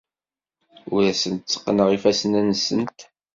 Ur asent-tteqqneɣ ifassen-nsent.